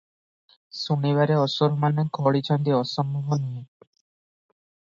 ଶୁଣିବାରେ ଅସୁରମାନେ ଖୋଳିଛନ୍ତି ଅସମ୍ଭବ ନୁହେଁ ।